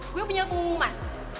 gue punya pengumuman